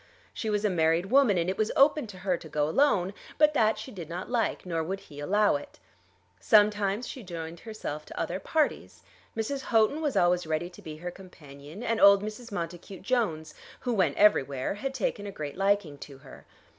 She was a married woman, and it was open to her to go alone; but that she did not like, nor would he allow it. Sometimes she joined herself to other parties. Mrs. Houghton was always ready to be her companion, and old Mrs. Montacute Jones, who went everywhere, had taken a great liking to her.